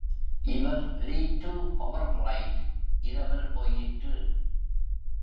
இவர் lid PowerLite இரவல் போயிற்று.